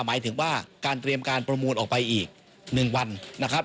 หมายถึงว่าการเตรียมการประมูลออกไปอีก๑วันนะครับ